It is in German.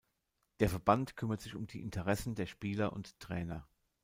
Der Verband kümmert sich um die Interessen der Spieler und Trainer.